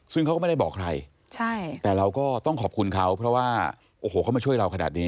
ซึ่งเขาก็ไม่ได้บอกใครใช่แต่เราก็ต้องขอบคุณเขาเพราะว่าโอ้โหเขามาช่วยเราขนาดนี้